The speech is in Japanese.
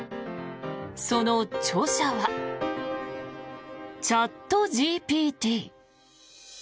その著者はチャットＧＰＴ。